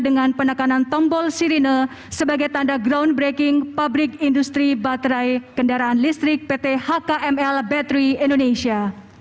dengan penekanan tombol sirine sebagai tanda groundbreaking pabrik industri baterai kendaraan listrik pt hkml battery indonesia